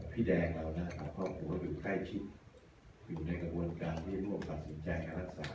พี่แดงเราน่ะความหัวใจถึงใกล้คิดอยู่ในกระบวนการที่มัวตัดสินใจและรักษา